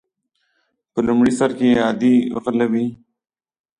په لومړي سر کې عادي غله وي.